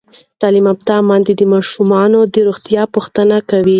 تعلیم یافته میندې د ماشومانو د روغتیا پوښتنې کوي.